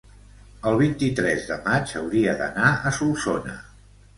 el vint-i-tres de maig hauria d'anar a Solsona.